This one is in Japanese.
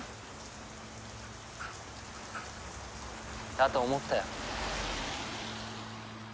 だと思ったよ。